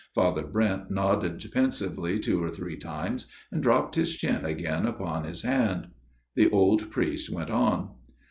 Father Brent nodded pensively two or three times and dropped his chin again upon his hand. The old priest went on.